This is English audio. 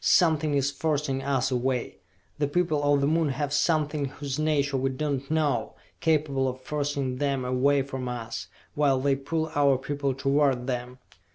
Something is forcing us away! The people of the Moon have something whose nature we do not know, capable of forcing them away from us while they pull our people toward them!